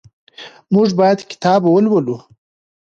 موږ باید کتاب ولولو.